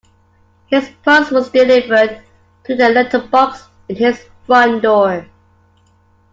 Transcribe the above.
His post was delivered through the letterbox in his front door